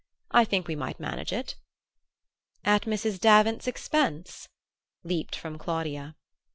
"I think we might manage it." "At Mrs. Davant's expense?" leaped from Claudia.